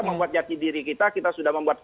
membuat jati diri kita kita sudah membuat